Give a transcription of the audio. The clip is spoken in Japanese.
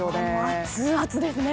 熱々ですね。